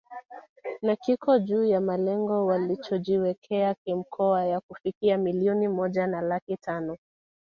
Na kiko juu ya malengo walichojiwekea kimkoa ya kufikia milioni moja na laki tano